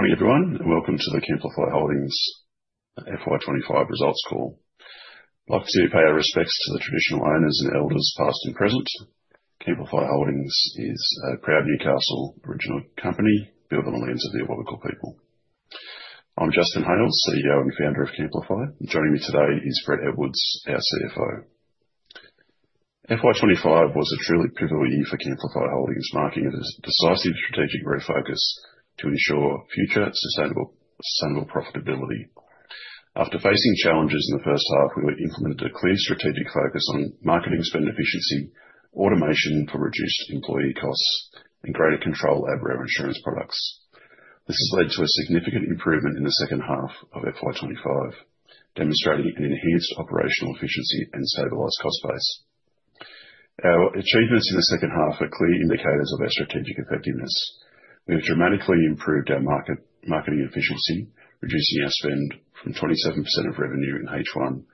Morning, everyone, and welcome to the Camplify Holdings FY 2025 Results Call. I'd like to pay our respects to the traditional owners and elders past and present. Camplify Holdings is a proud Newcastle original company built on the lands of the Aboriginal people. I'm Justin Hales, CEO and Founder of Camplify. Joining me today is Brett Edwards, our CFO. FY 2025 was a truly pivotal year for Camplify Holdings, marking a decisive strategic refocus to ensure future sustainable profitability. After facing challenges in the first half, we implemented a clear strategic focus on marketing spend efficiency, automation for reduced employee costs, and greater control over our insurance products. This has led to a significant improvement in the second half of FY 2025, demonstrating an enhanced operational efficiency and stabilized cost base. Our achievements in the second half are clear indicators of our strategic effectiveness. We've dramatically improved our marketing efficiency, reducing our spend from 27% of revenue in H1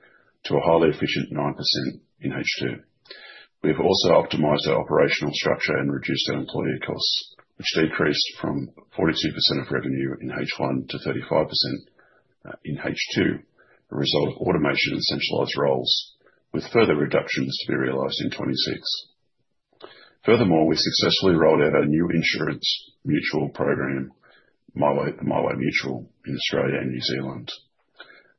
to a highly efficient 9% in H2. We've also optimized our operational structure and reduced our employee costs, which decreased from 42% of revenue in H1 to 35% in H2, a result of automation and centralized roles, with further reductions to be realized in 2026. Furthermore, we successfully rolled out our new insurance mutual program, MyWay Mutual, in Australia and New Zealand.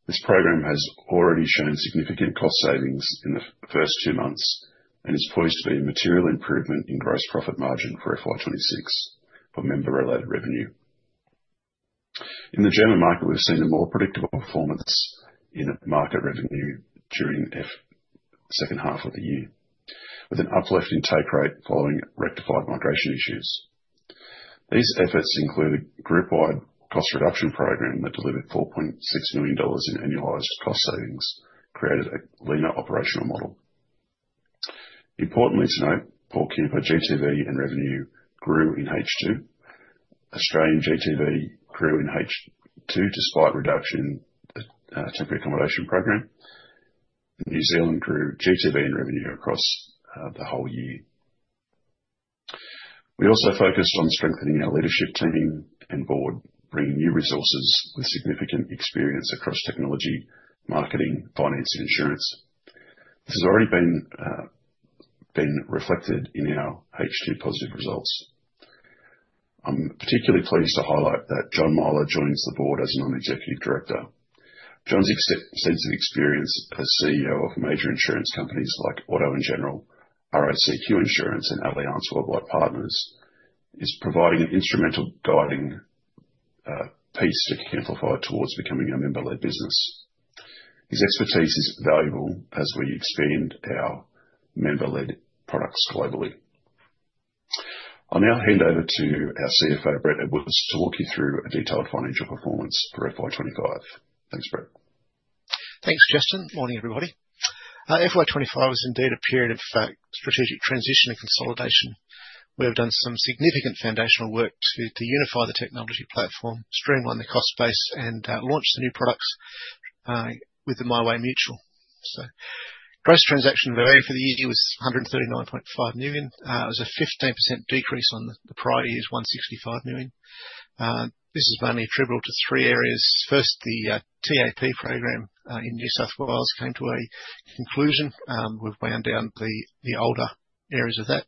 This program has already shown significant cost savings in the first two months and is poised to be a material improvement in gross profit margin for FY 2026 for member-related revenue. In the German market, we've seen a more predictable performance in market revenue during the second half of the year, with an uplift in take rate following rectified migration issues. These efforts include a group-wide cost reduction program that delivered 4.6 million dollars in annualized cost savings, creating a leaner operational model. Importantly to note, PaulCamper GTV and revenue grew in H2. Australian GTV grew in H2 despite reduction in Temporary Accommodation Program. New Zealand grew GTV and revenue across the whole year. We also focused on strengthening our leadership team and board, bringing new resources with significant experience across technology, marketing, finance, and insurance. This has already been reflected in our H2 positive results. I'm particularly pleased to highlight that John Myler joins the board as an executive director. John's extensive experience as CEO of major insurance companies like Auto & General, RACQ Insurance, and Allianz Worldwide Partners is providing an instrumental guiding piece to Camplify towards becoming a member-led business. His expertise is valuable as we expand our member-led products globally. I'll now hand over to our CFO, Brett Edwards, to walk you through a detailed financial performance for FY 2025. Thanks, Brett. Thanks, Justin. Morning, everybody. FY 2025 was indeed a period of strategic transition and consolidation. We have done some significant foundational work to unify the technology platform, streamline the cost base, and launch the new products with the MyWay Mutual. So gross transaction value for the year was 139.5 million. It was a 15% decrease on the prior year's 165 million. This is mainly attributable to three areas. First, the TAP program in New South Wales came to a conclusion. We've wound down the older areas of that.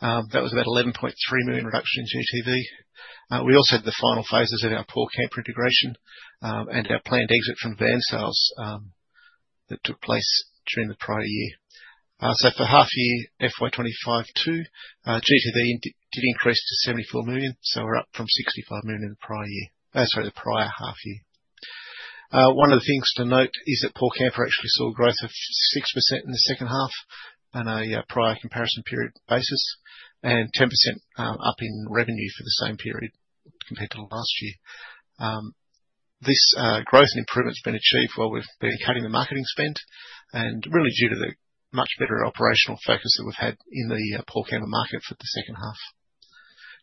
That was about an 11.3 million reduction in GTV. We also had the final phases of our PaulCamper integration and our planned exit from van sales that took place during the prior year. So for half-year FY 2025 too, GTV did increase to 74 million, so we're up from 65 million the prior year, sorry, the prior half-year. One of the things to note is that PaulCamper actually saw a growth of 6% in the second half on a prior comparison period basis and 10% up in revenue for the same period compared to last year. This growth and improvement has been achieved while we've been cutting the marketing spend, and really due to the much better operational focus that we've had in the PaulCamper market for the second half.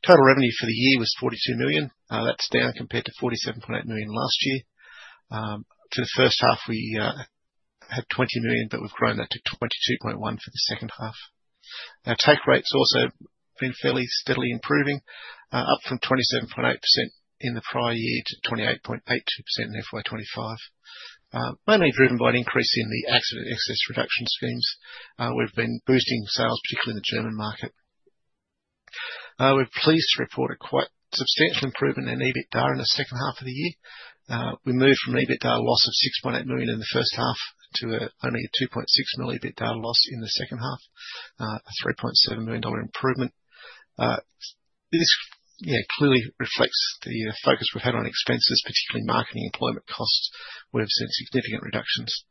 Total revenue for the year was 42 million. That's down compared to 47.8 million last year. For the first half, we had 20 million, but we've grown that to 22.1 million for the second half. Our take rate's also been fairly steadily improving, up from 27.8% in the prior year to 28.82% in FY 2025, mainly driven by an increase in the Accident Excess Reduction schemes. We've been boosting sales, particularly in the German market. We're pleased to report a quite substantial improvement in EBITDA in the second half of the year. We moved from EBITDA loss of 6.8 million in the first half to only a 2.6 million EBITDA loss in the second half, a 3.7 million dollar improvement. This clearly reflects the focus we've had on expenses, particularly marketing employment costs. We've seen significant reductions.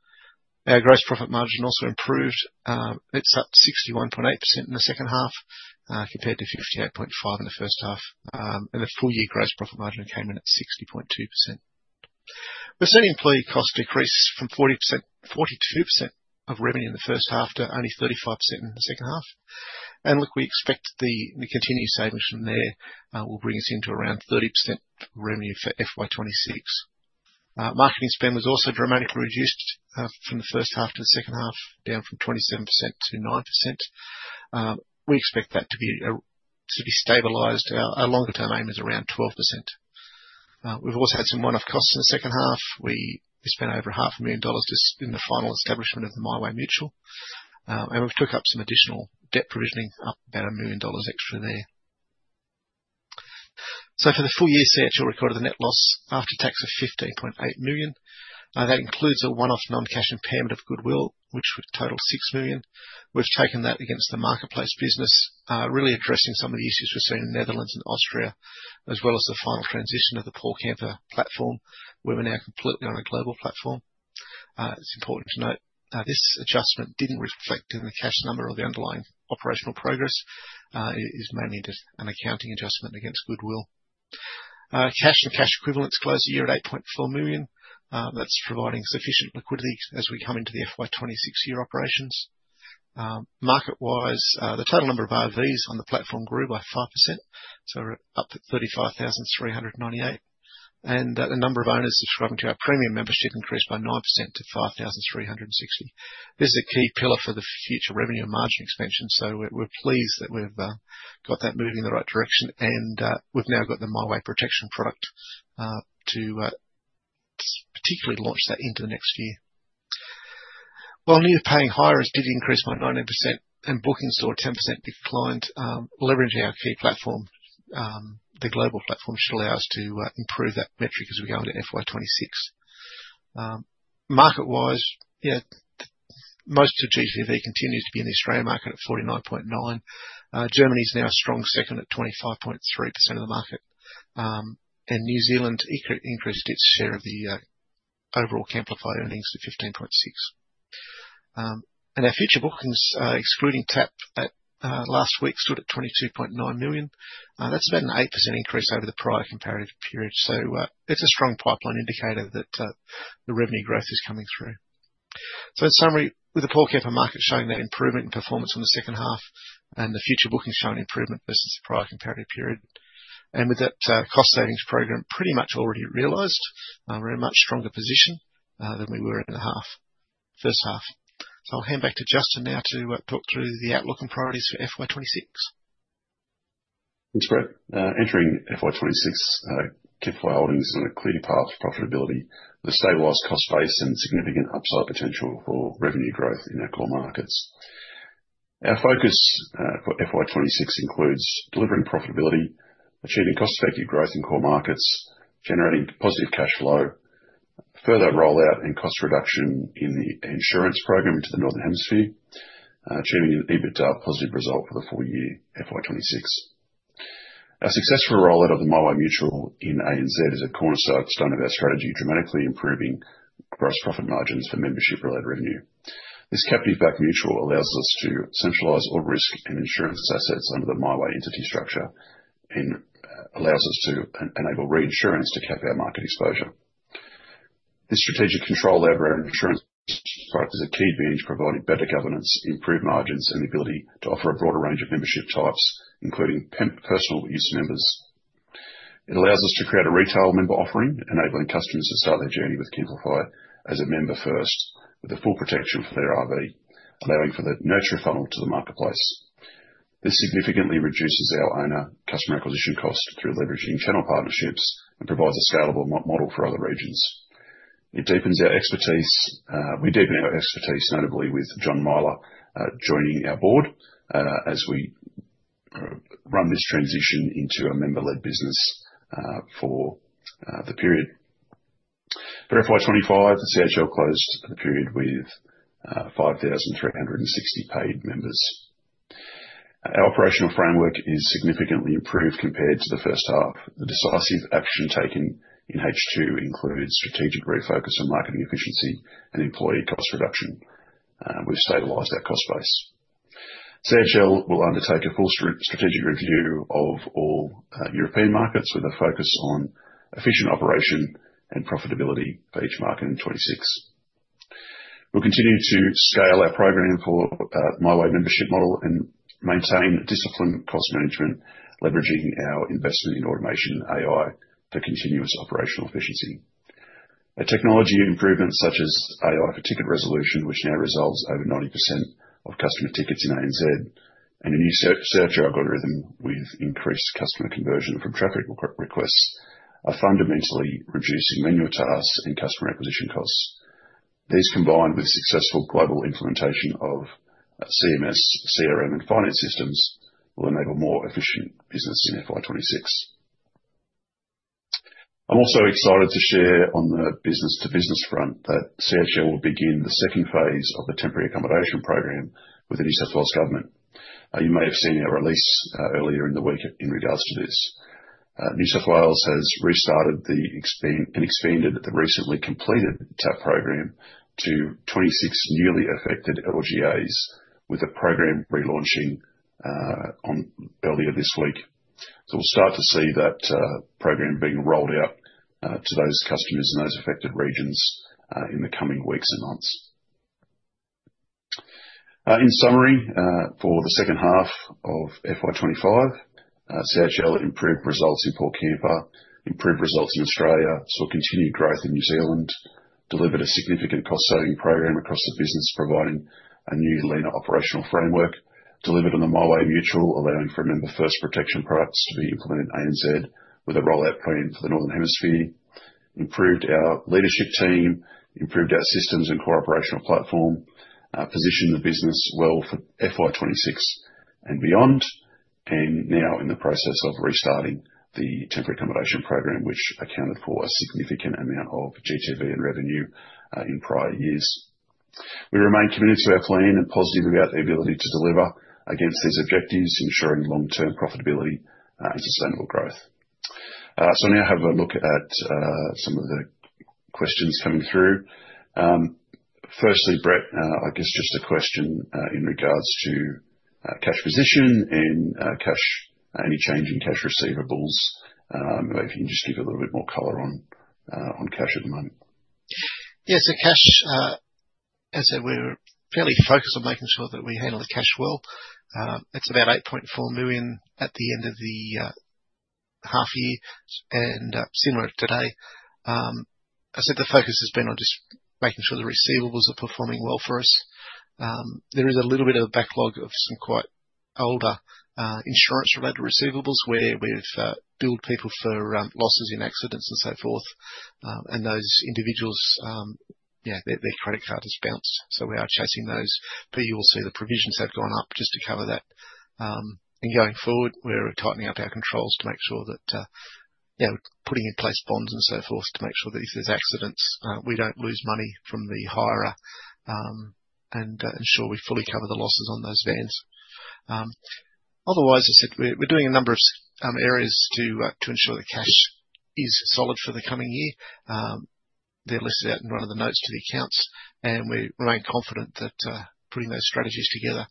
Our gross profit margin also improved. It's up 61.8% in the second half compared to 58.5% in the first half. And the full-year gross profit margin came in at 60.2%. We've seen employee costs decrease from 42% of revenue in the first half to only 35% in the second half. And we expect the continued savings from there will bring us into around 30% revenue for FY 2026. Marketing spend was also dramatically reduced from the first half to the second half, down from 27% to 9%. We expect that to be stabilized. Our longer-term aim is around 12%. We've also had some one-off costs in the second half. We spent over 500,000 dollars just in the final establishment of the MyWay Mutual, and we've took up some additional debt provisioning, about 1 million dollars extra there. So for the full-year results, we recorded a net loss after tax of 15.8 million. That includes a one-off non-cash impairment of goodwill, which totaled 6 million. We've taken that against the marketplace business, really addressing some of the issues we've seen in the Netherlands and Austria, as well as the final transition of the PaulCamper platform. We're now completely on a global platform. It's important to note this adjustment didn't reflect in the cash number or the underlying operational progress. It is mainly just an accounting adjustment against goodwill. Cash and cash equivalents closed the year at 8.4 million. That's providing sufficient liquidity as we come into the FY 2026 year operations. Market-wise, the total number of RVs on the platform grew by 5%, so we're up at 35,398, and the number of owners subscribing to our premium membership increased by 9% to 5,360. This is a key pillar for the future revenue and margin expansion, so we're pleased that we've got that moving in the right direction, and we've now got the MyWay Protection product to particularly launch that into the next year. While new paying hires did increase by 19% and bookings saw a 10% decline, leveraging our key platform, the global platform, should allow us to improve that metric as we go into FY 2026. Market-wise, most of GTV continues to be in the Australian market at 49.9%. Germany is now a strong second at 25.3% of the market, and New Zealand increased its share of the overall Camplify earnings to 15.6%. Our future bookings, excluding TAP, last week stood at 22.9 million. That's about an 8% increase over the prior comparative period. It's a strong pipeline indicator that the revenue growth is coming through. In summary, with the PaulCamper market showing that improvement in performance in the second half and the future bookings showing improvement versus the prior comparative period, and with that cost savings program pretty much already realized, we're in a much stronger position than we were in the first half. I'll hand back to Justin now to talk through the outlook and priorities for FY 2026. Thanks, Brett. Entering FY 2026, Camplify Holdings is on a clear path to profitability with a stabilized cost base and significant upside potential for revenue growth in our core markets. Our focus for FY 2026 includes delivering profitability, achieving cost-effective growth in core markets, generating positive cash flow, further rollout, and cost reduction in the insurance program into the Northern Hemisphere, achieving an EBITDA positive result for the full year FY 2026. Our successful rollout of the MyWay Mutual in ANZ is a cornerstone of our strategy, dramatically improving gross profit margins for membership-related revenue. This captive-backed mutual allows us to centralize all risk and insurance assets under the MyWay entity structure and allows us to enable reinsurance to cap our market exposure. This strategic control over our insurance product is a key advantage, providing better governance, improved margins, and the ability to offer a broader range of membership types, including personal use members. It allows us to create a retail member offering, enabling customers to start their journey with Camplify as a member first, with the full protection for their RV, allowing for the nurture funnel to the marketplace. This significantly reduces our owner customer acquisition costs through leveraging channel partnerships and provides a scalable model for other regions. It deepens our expertise. We deepen our expertise, notably with John Myler joining our board as we run this transition into a member-led business for the period. For FY 2025, the CHL closed the period with 5,360 paid members. Our operational framework is significantly improved compared to the first half. The decisive action taken in H2 includes strategic refocus on marketing efficiency and employee cost reduction. We've stabilized our cost base. CHL will undertake a full strategic review of all European markets with a focus on efficient operation and profitability for each market in 2026. We'll continue to scale our program for MyWay membership model and maintain disciplined cost management, leveraging our investment in automation and AI for continuous operational efficiency. Technology improvements such as AI for ticket resolution, which now resolves over 90% of customer tickets in ANZ, and a new search algorithm with increased customer conversion from traffic requests are fundamentally reducing manual tasks and customer acquisition costs. These, combined with successful global implementation of CMS, CRM, and Finance Systems, will enable more efficient business in FY 2026. I'm also excited to share on the business-to-business front that CHL will begin the second phase of the Temporary Accommodation Program with the New South Wales Government. You may have seen our release earlier in the week in regards to this. New South Wales has restarted and expanded the recently completed TAP program to 26 newly affected LGAs, with the program relaunching earlier this week. So we'll start to see that program being rolled out to those customers in those affected regions in the coming weeks and months. In summary, for the second half of FY 2025, CHL improved results in PaulCamper, improved results in Australia, saw continued growth in New Zealand, delivered a significant cost-saving program across the business, providing a new leaner operational framework, delivered on the MyWay Mutual, allowing for member-first protection products to be implemented in ANZ with a rollout plan for the Northern Hemisphere, improved our leadership team, improved our systems and core operational platform, positioned the business well for FY 2026 and beyond, and now in the process of restarting the Temporary Accommodation Program, which accounted for a significant amount of GTV and revenue in prior years. We remain committed to our plan and positive about the ability to deliver against these objectives, ensuring long-term profitability and sustainable growth. So now have a look at some of the questions coming through. Firstly, Brett, I guess just a question in regards to cash position and any change in cash receivables, if you can just give a little bit more color on cash at the moment? Yeah, so cash, as I said, we're fairly focused on making sure that we handle the cash well. It's about 8.4 million at the end of the half-year, and similar today. I said the focus has been on just making sure the receivables are performing well for us. There is a little bit of a backlog of some quite older insurance-related receivables where we've billed people for losses in accidents and so forth, and those individuals, yeah, their credit card has bounced. So we are chasing those. But you will see the provisions have gone up just to cover that. Going forward, we're tightening up our controls to make sure that putting in place bonds and so forth to make sure that if there's accidents, we don't lose money from the hirer and ensure we fully cover the losses on those vans. Otherwise, I said we're doing a number of areas to ensure the cash is solid for the coming year. They're listed out in one of the notes to the accounts, and we remain confident that putting those strategies together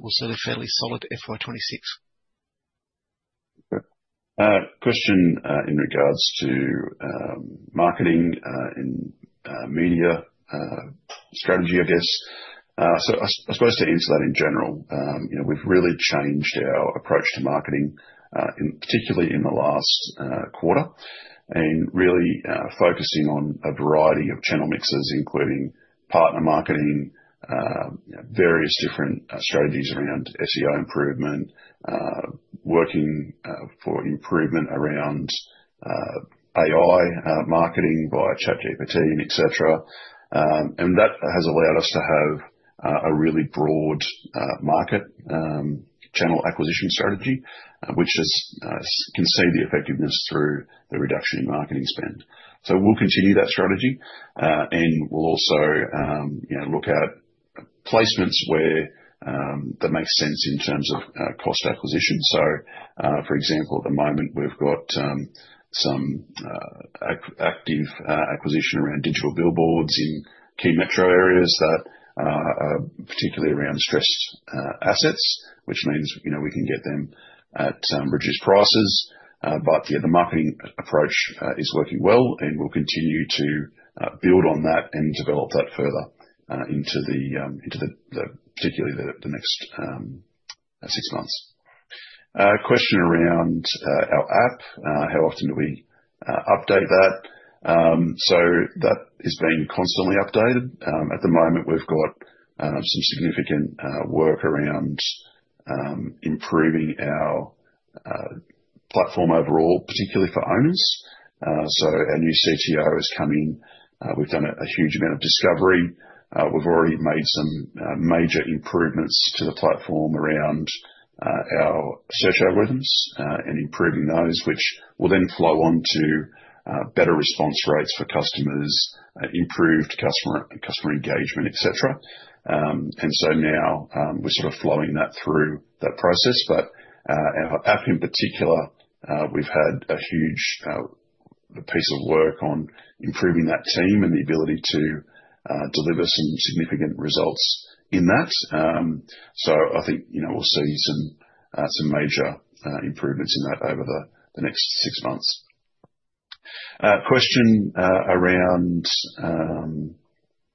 will set a fairly solid FY 2026. Question in regards to marketing and media strategy, I guess. So I suppose to answer that in general, we've really changed our approach to marketing, particularly in the last quarter, and really focusing on a variety of channel mixes, including partner marketing, various different strategies around SEO improvement, working for improvement around AI marketing via ChatGPT, etc. And that has allowed us to have a really broad market channel acquisition strategy, which can see the effectiveness through the reduction in marketing spend. So we'll continue that strategy, and we'll also look at placements that make sense in terms of cost acquisition. So, for example, at the moment, we've got some active acquisition around digital billboards in key metro areas that are particularly around stressed assets, which means we can get them at reduced prices. But the marketing approach is working well, and we'll continue to build on that and develop that further into particularly the next six months. Question around our app, how often do we update that. So that is being constantly updated. At the moment, we've got some significant work around improving our platform overall, particularly for owners. So our new CTO is coming. We've done a huge amount of discovery. We've already made some major improvements to the platform around our search algorithms and improving those, which will then flow on to better response rates for customers, improved customer engagement, etc. And so now we're sort of flowing that through that process. But our app, in particular, we've had a huge piece of work on improving that team and the ability to deliver some significant results in that. So I think we'll see some major improvements in that over the next six months. Question around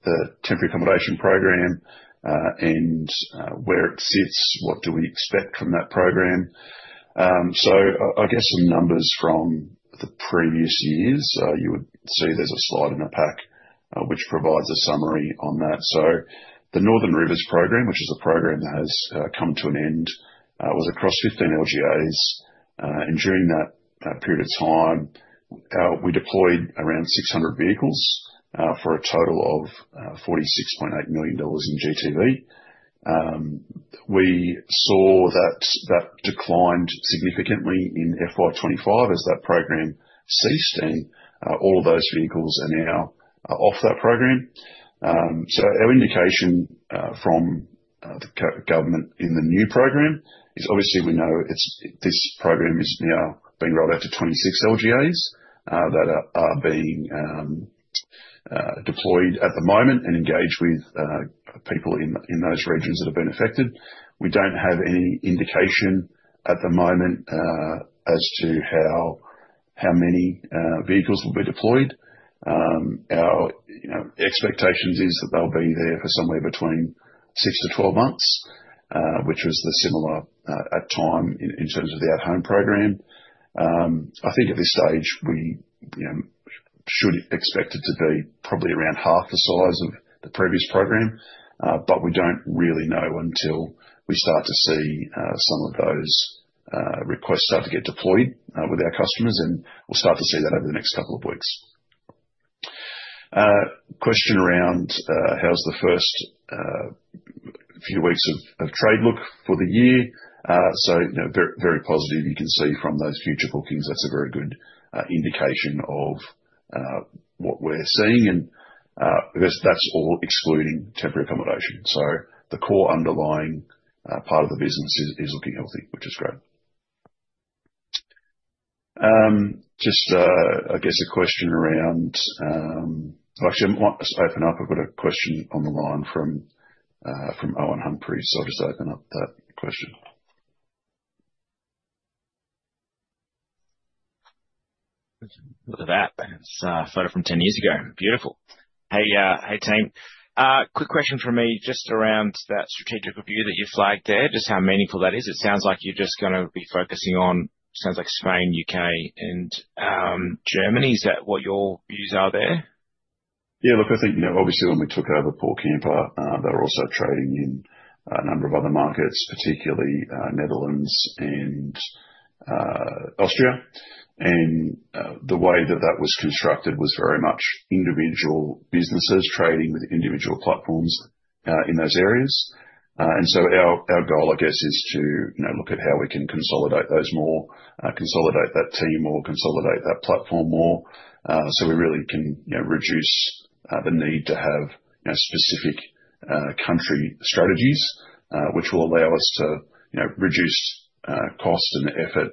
the Temporary Accommodation Program and where it sits, what do we expect from that program. So I guess some numbers from the previous years. You would see there's a slide in the pack which provides a summary on that. So the Northern Rivers program, which is a program that has come to an end, was across 15 LGAs. And during that period of time, we deployed around 600 vehicles for a total of 46.8 million dollars in GTV. We saw that that declined significantly in FY 2025 as that program ceased, and all of those vehicles are now off that program. Our indication from the government in the new program is obviously we know this program is now being rolled out to 26 LGAs that are being deployed at the moment and engaged with people in those regions that have been affected. We don't have any indication at the moment as to how many vehicles will be deployed. Our expectation is that they'll be there for somewhere between six to 12 months, which was the similar time in terms of the at-home program. I think at this stage, we should expect it to be probably around half the size of the previous program, but we don't really know until we start to see some of those requests start to get deployed with our customers, and we'll start to see that over the next couple of weeks. Question around how's the first few weeks of trade look for the year? So very positive. You can see from those future bookings, that's a very good indication of what we're seeing. And that's all excluding temporary accommodation. So the core underlying part of the business is looking healthy, which is great. Just, I guess, a question around actually, I might just open up. I've got a question on the line from Owen Humphries, so I'll just open up that question. Look at that. It's a photo from 10 years ago. Beautiful. Hey, team. Quick question from me just around that strategic review that you flagged there, just how meaningful that is. It sounds like you're just going to be focusing on, sounds like, Spain, U.K., and Germany. Is that what your views are there? Yeah, look, I think obviously when we took over PaulCamper, they're also trading in a number of other markets, particularly Netherlands and Austria. And the way that that was constructed was very much individual businesses trading with individual platforms in those areas. And so our goal, I guess, is to look at how we can consolidate those more, consolidate that team more, consolidate that platform more, so we really can reduce the need to have specific country strategies, which will allow us to reduce cost and effort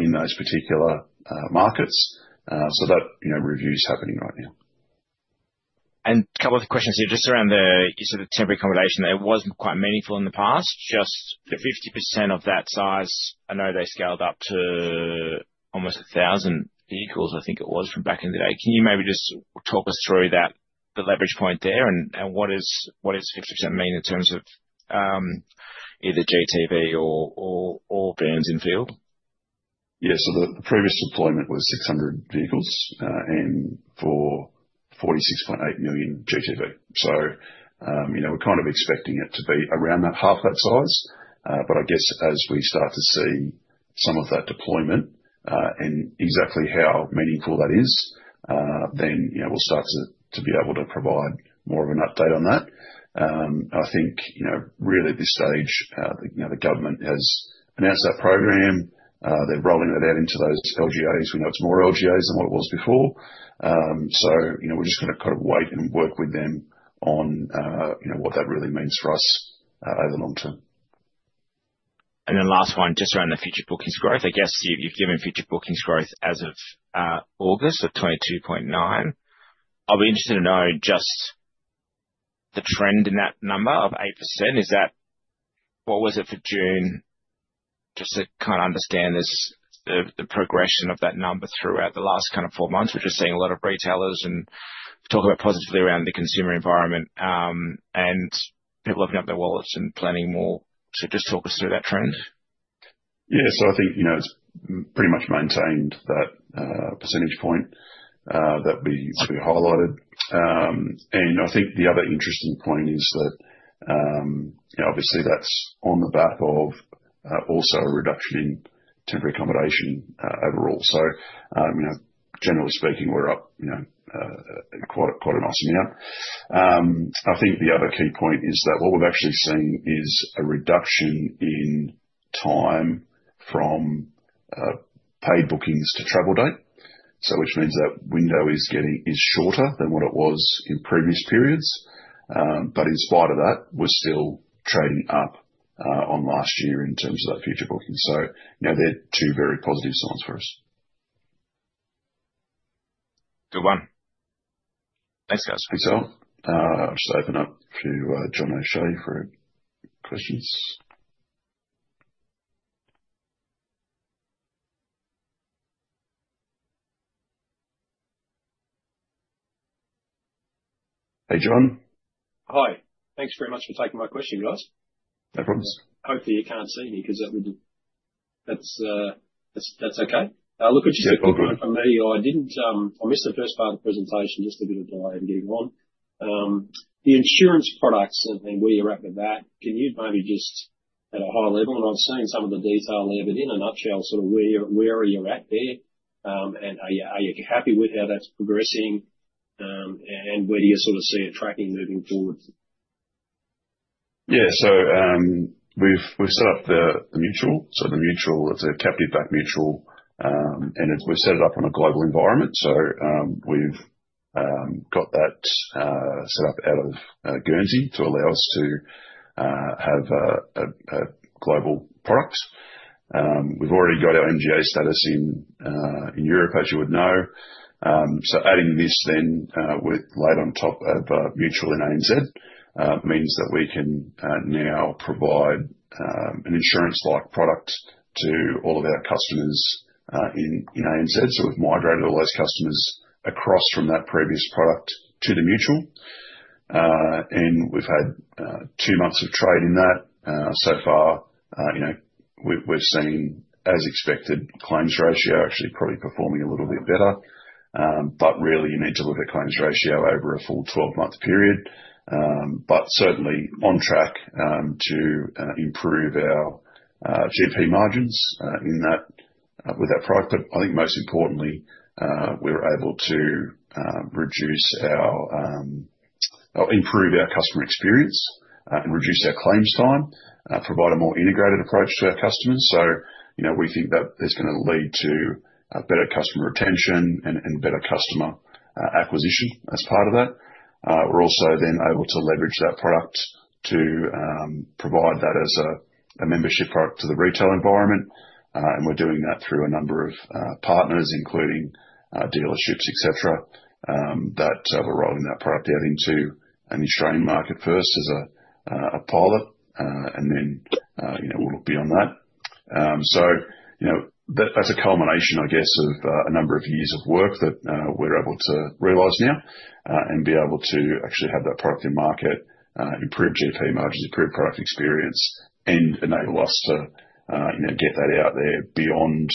in those particular markets. So that review's happening right now. A couple of questions here just around the temporary accommodation. You said it wasn't quite meaningful in the past. Just 50% of that size. I know they scaled up to almost 1,000 vehicles, I think it was, from back in the day. Can you maybe just talk us through that, the leverage point there, and what does 50% mean in terms of either GTV or vans in field? Yeah, so the previous deployment was 600 vehicles and for 46.8 million GTV. So we're kind of expecting it to be around that half that size. But I guess as we start to see some of that deployment and exactly how meaningful that is, then we'll start to be able to provide more of an update on that. I think really at this stage, the government has announced that program. They're rolling that out into those LGAs. We know it's more LGAs than what it was before. So we're just going to kind of wait and work with them on what that really means for us over the long term. Then, last one, just around the future bookings growth. I guess you've given future bookings growth as of August of 22.9%. I'll be interested to know just the trend in that number of 8%. What was it for June? Just to kind of understand the progression of that number throughout the last kind of four months. We're just seeing a lot of retailers talk about positively around the consumer environment and people opening up their wallets and planning more. So just talk us through that trend? Yeah, so I think it's pretty much maintained that percentage point that we highlighted. And I think the other interesting point is that obviously that's on the back of also a reduction in temporary accommodation overall. So generally speaking, we're up quite an awesome amount. I think the other key point is that what we've actually seen is a reduction in time from paid bookings to travel date, which means that window is shorter than what it was in previous periods. But in spite of that, we're still trading up on last year in terms of that future booking. So they're two very positive signs for us. Good one. Thanks, guys. Excellent. I'll just open up to John O'Shea for questions. Hey, John. Hi. Thanks very much for taking my question, guys. No problem. Hopefully, you can't see me because that's okay. Look what you said from me. I missed the first part of the presentation, just a bit of delay in getting on. The insurance products, and we are up at that. Can you maybe just at a high level, and I've seen some of the detail there, but in a nutshell, sort of where are you at there? And are you happy with how that's progressing? And where do you sort of see it tracking moving forward? Yeah, so we've set up the mutual. So the mutual, it's a captive-backed mutual, and we've set it up on a global environment. So we've got that set up out of Guernsey to allow us to have a global product. We've already got our MGA status in Europe, as you would know. So adding this then laid on top of mutual in ANZ means that we can now provide an insurance-like product to all of our customers in ANZ. So we've migrated all those customers across from that previous product to the mutual. And we've had two months of trade in that. So far, we've seen, as expected, claims ratio actually probably performing a little bit better. But really, you need to look at claims ratio over a full 12-month period. But certainly on track to improve our GP margins with that product. But I think most importantly, we were able to improve our customer experience, reduce our claims time, provide a more integrated approach to our customers. So we think that it's going to lead to better customer retention and better customer acquisition as part of that. We're also then able to leverage that product to provide that as a membership product to the retail environment. And we're doing that through a number of partners, including dealerships, etc., that we're rolling that product out into an Australian market first as a pilot, and then we'll look beyond that. So that's a culmination, I guess, of a number of years of work that we're able to realize now and be able to actually have that product in market, improve GP margins, improve product experience, and enable us to get that out there beyond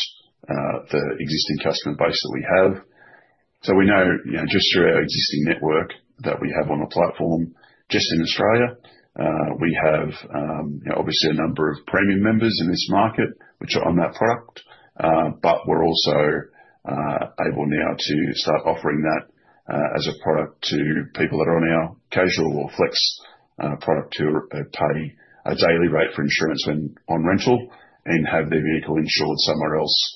the existing customer base that we have. So we know just through our existing network that we have on the platform, just in Australia, we have obviously a number of premium members in this market, which are on that product. But we're also able now to start offering that as a product to people that are on our casual or flex product who pay a daily rate for insurance when on rental and have their vehicle insured somewhere else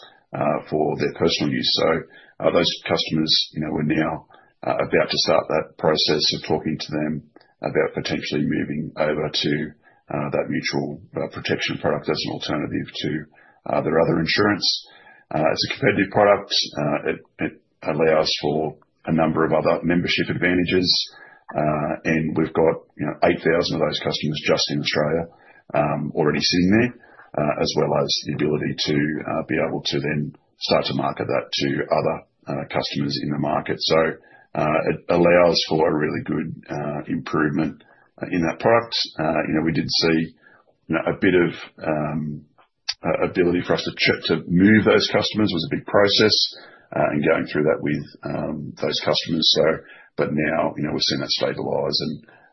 for their personal use. So those customers were now about to start that process of talking to them about potentially moving over to that mutual protection product as an alternative to their other insurance. It's a competitive product. It allows for a number of other membership advantages. We've got 8,000 of those customers just in Australia already sitting there, as well as the ability to be able to then start to market that to other customers in the market. So it allows for a really good improvement in that product. We did see a bit of ability for us to move those customers. It was a big process in going through that with those customers. But now we're seeing that stabilize.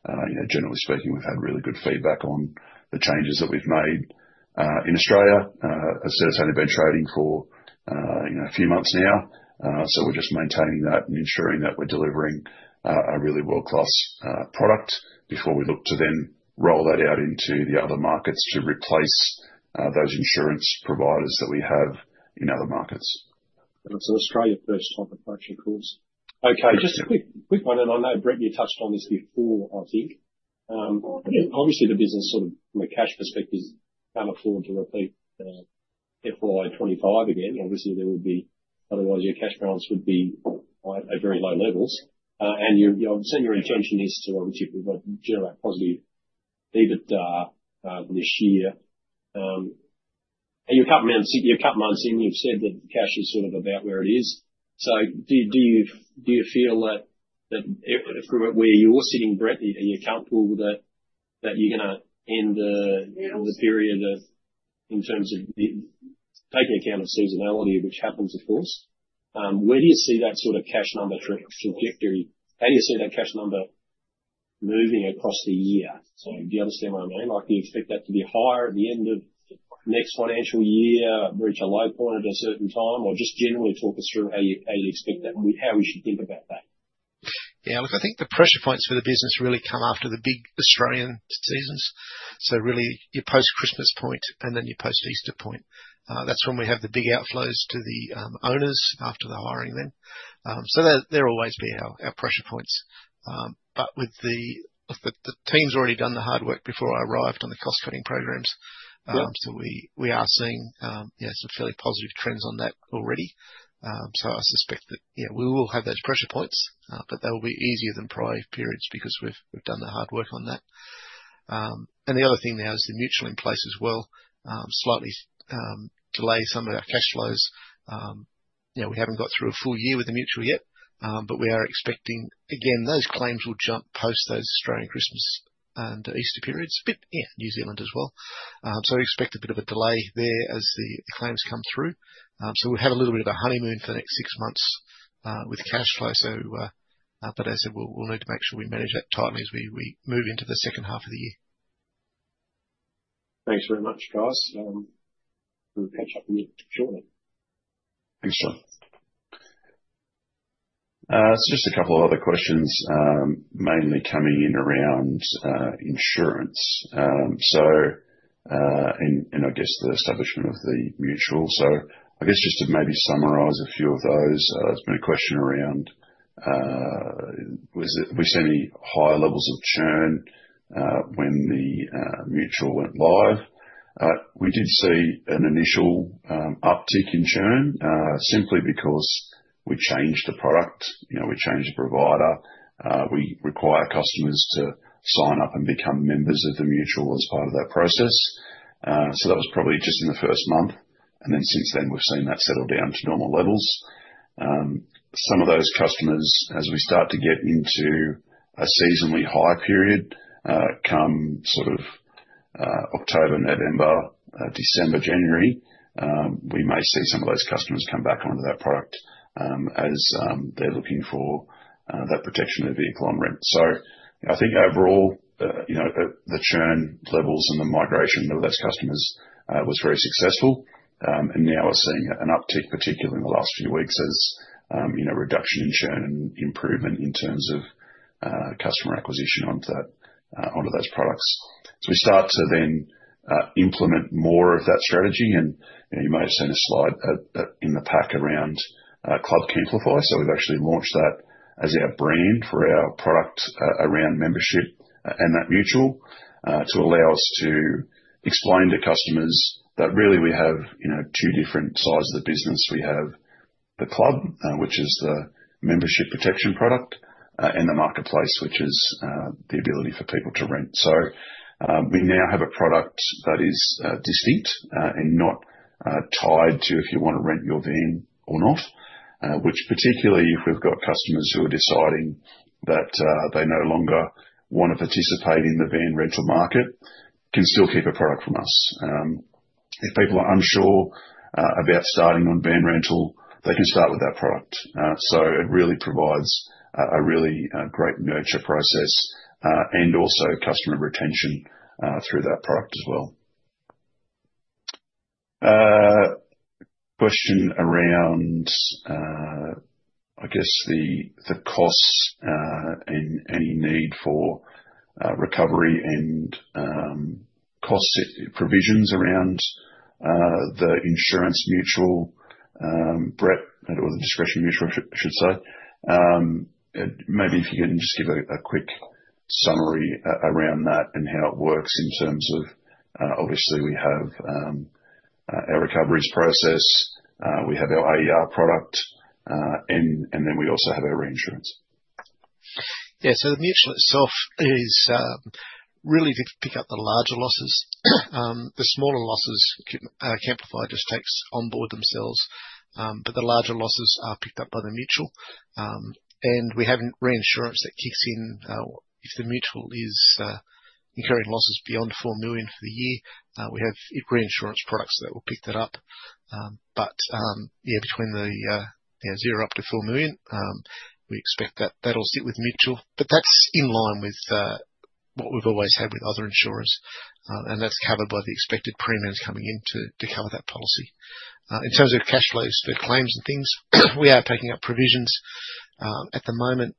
And generally speaking, we've had really good feedback on the changes that we've made in Australia. As I said, it's only been trading for a few months now. So we're just maintaining that and ensuring that we're delivering a really world-class product before we look to then roll that out into the other markets to replace those insurance providers that we have in other markets. That's an Australian first type of product, of course. Okay, just a quick one, and I know, Brett, you touched on this before, I think. Obviously, the business, sort of from a cash perspective, can't afford to repeat FY 2025 again. Obviously, there would be otherwise, your cash balance would be at very low levels, and I'm assuming your intention is to obviously generate positive EBITDA this year. And you're a couple of months in, you've said that the cash is sort of about where it is, so do you feel that from where you're sitting, Brett, are you comfortable with that, that you're going to end the period in terms of taking account of seasonality, which happens, of course? Where do you see that sort of cash number trajectory? How do you see that cash number moving across the year? So do you understand what I mean? Do you expect that to be higher at the end of next financial year, reach a low point at a certain time, or just generally talk us through how you expect that, how we should think about that? Yeah, look, I think the pressure points for the business really come after the big Australian seasons. So really, your post-Christmas point and then your post-Easter point, that's when we have the big outflows to the owners after the hiring then. So there'll always be our pressure points. But the team's already done the hard work before I arrived on the cost-cutting programs. So we are seeing some fairly positive trends on that already. So I suspect that we will have those pressure points, but they'll be easier than prior periods because we've done the hard work on that. And the other thing now is the mutual in place as well, slightly delay some of our cash flows. We haven't got through a full year with the mutual yet, but we are expecting, again, those claims will jump post those Australian Christmas and Easter periods, but yeah, New Zealand as well. So we expect a bit of a delay there as the claims come through. So we'll have a little bit of a honeymoon for the next six months with cash flow. But as I said, we'll need to make sure we manage that tightly as we move into the second half of the year. Thanks very much, guys. We'll catch up with you shortly. Thanks, John. So just a couple of other questions, mainly coming in around insurance and, I guess, the establishment of the mutual. So I guess just to maybe summarize a few of those. There's been a question around, was there any higher levels of churn when the mutual went live? We did see an initial uptick in churn simply because we changed the product. We changed the provider. We require customers to sign up and become members of the mutual as part of that process. So that was probably just in the first month. And then since then, we've seen that settle down to normal levels. Some of those customers, as we start to get into a seasonally high period, come sort of October, November, December, January, we may see some of those customers come back onto that product as they're looking for that protection of the vehicle on rent. So I think overall, the churn levels and the migration of those customers was very successful. And now we're seeing an uptick, particularly in the last few weeks, as reduction in churn and improvement in terms of customer acquisition onto those products. So we start to then implement more of that strategy. And you may have seen a slide in the pack around Club Camplify. So we've actually launched that as our brand for our product around membership and that mutual to allow us to explain to customers that really we have two different sides of the business. We have the club, which is the membership protection product, and the marketplace, which is the ability for people to rent. So we now have a product that is distinct and not tied to if you want to rent your van or not, which particularly if we've got customers who are deciding that they no longer want to participate in the van rental market, can still keep a product from us. If people are unsure about starting on van rental, they can start with that product. So it really provides a really great nurture process and also customer retention through that product as well. Question around, I guess, the costs and any need for recovery and cost provisions around the insurance mutual, or the discretionary mutual, I should say. Maybe if you can just give a quick summary around that and how it works in terms of, obviously, we have our recoveries process, we have our AER product, and then we also have our reinsurance. Yeah, so the mutual itself is really to pick up the larger losses. The smaller losses, Camplify just takes onboard themselves. But the larger losses are picked up by the mutual. And we have reinsurance that kicks in if the mutual is incurring losses beyond 4 million for the year. We have reinsurance products that will pick that up. But yeah, between the 0 up to 4 million, we expect that that'll sit with mutual. But that's in line with what we've always had with other insurers. And that's covered by the expected premiums coming in to cover that policy. In terms of cash flows for claims and things, we are picking up provisions at the moment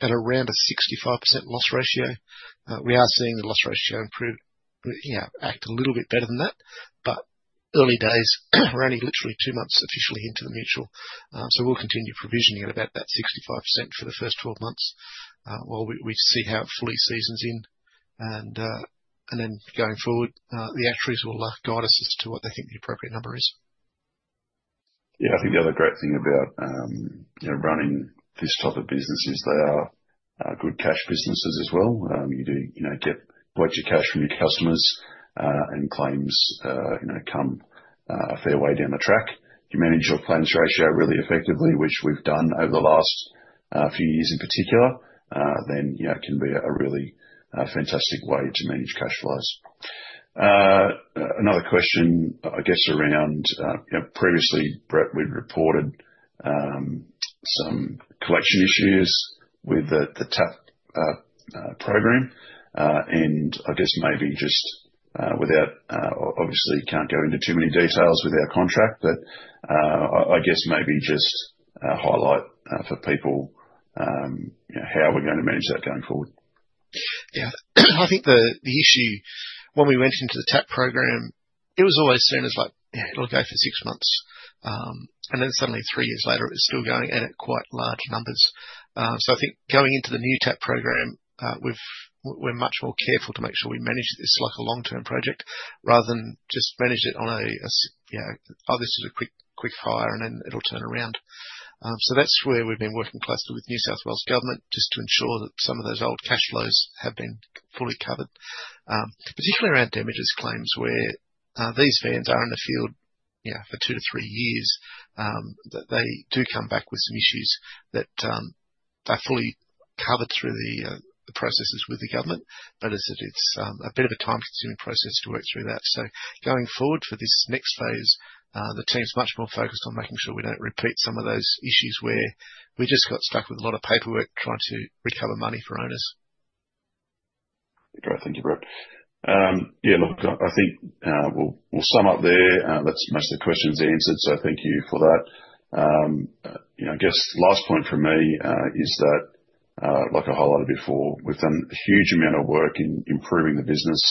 at around a 65% loss ratio. We are seeing the loss ratio act a little bit better than that. But early days, we're only literally two months officially into the mutual. So we'll continue provisioning at about that 65% for the first 12 months while we see how it fully seasons in. And then going forward, the actuaries will guide us as to what they think the appropriate number is. Yeah, I think the other great thing about running this type of business is they are good cash businesses as well. You get major cash from your customers, and claims come a fair way down the track. If you manage your claims ratio really effectively, which we've done over the last few years in particular, then it can be a really fantastic way to manage cash flows. Another question, I guess, around previously, Brett, we've reported some collection issues with the TAP program. And I guess maybe just without, obviously, can't go into too many details with our contract, but I guess maybe just highlight for people how we're going to manage that going forward. Yeah, I think the issue, when we went into the TAP program, it was always seen as like, it'll go for six months. And then suddenly, three years later, it's still going at quite large numbers. So I think going into the new TAP program, we're much more careful to make sure we manage this like a long-term project rather than just manage it on a, "Oh, this is a quick hire, and then it'll turn around." So that's where we've been working closely with New South Wales Government just to ensure that some of those old cash flows have been fully covered. Particularly around damages claims, where these vans are in the field for two to three years, they do come back with some issues that are fully covered through the processes with the government. But it's a bit of a time-consuming process to work through that. So going forward for this next phase, the team's much more focused on making sure we don't repeat some of those issues where we just got stuck with a lot of paperwork trying to recover money for owners. Great. Thank you, Brett. Yeah, look, I think we'll sum up there. That's most of the questions answered. So thank you for that. I guess last point for me is that, like I highlighted before, we've done a huge amount of work in improving the business.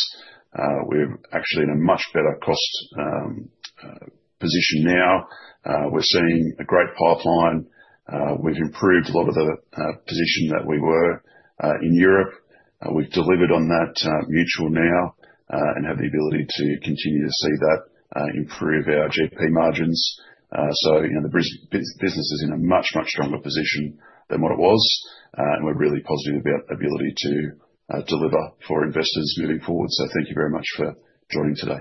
We're actually in a much better cost position now. We're seeing a great pipeline. We've improved a lot of the position that we were in Europe. We've delivered on that mutual now and have the ability to continue to see that improve our GP margins. So the business is in a much, much stronger position than what it was. And we're really positive about the ability to deliver for investors moving forward. So thank you very much for joining today.